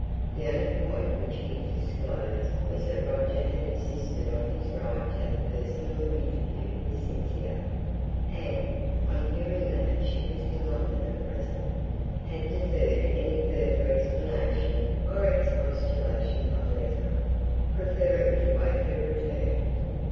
The only point which he disclosed was that Roger had insisted on his right to have a personal interview with Cynthia; and, on hearing that she was in London at present, had deferred any further explanation or expostulation by letter, preferring to await her return.